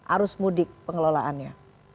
arus mudik pengelolaannya